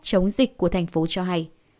chống dịch của thành phố cho hay